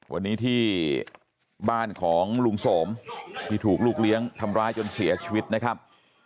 วันนี้ที่บ้านของลุงสมที่ถูกลูกเลี้ยงทำร้ายจนเสียชีวิตนะครับ